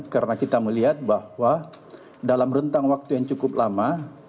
karena kita melihat bahwa dalam rentang waktu yang cukup lama